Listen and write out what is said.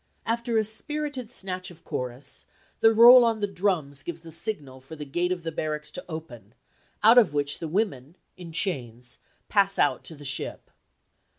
After a spirited snatch of chorus, the roll on the drums gives the signal for the gate of the barracks to open, out of which the women, in chains, pass out to the ship.